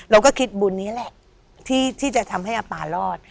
เราก็คิดบุญนี้แหละที่จะทำให้อาป่ารอด